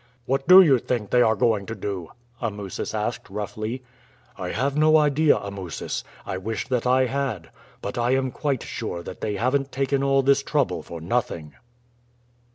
"What do you think they are going to do?" Amusis asked roughly. "I have no idea, Amusis. I wish that I had; but I am quite sure that they haven't taken all this trouble for nothing."